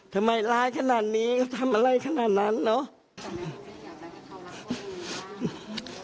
ทำร้ายขนาดนี้ก็ทำอะไรขนาดนั้นเนอะ